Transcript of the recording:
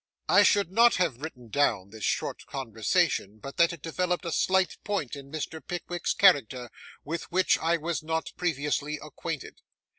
I should not have written down this short conversation, but that it developed a slight point in Mr. Pickwick's character, with which I was not previously acquainted.